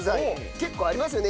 結構ありますよね。